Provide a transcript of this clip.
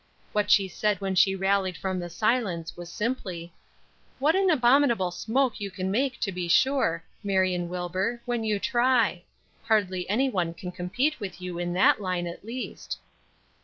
What she said when she rallied from the silence was simply: "What an abominable smoke you can make to be sure, Marion Wilbur, when you try. Hardly any one can compete with you in that line, at least."